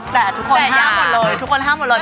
แต่ทุกคนห้ามหมดเลย